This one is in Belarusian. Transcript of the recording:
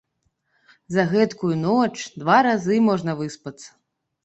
За гэткую ноч два разы можна выспацца!